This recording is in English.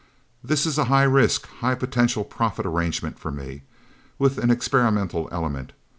This is a high risk, high potential profit arrangement for me with an experimental element.